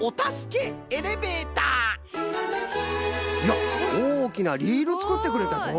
やっおおきなリールつくってくれたぞ！